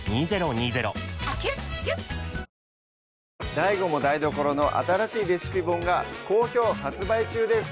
ＤＡＩＧＯも台所の新しいレシピ本が好評発売中です